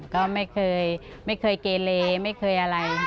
ก็ไม่เคยเกเลไม่เคยอะไร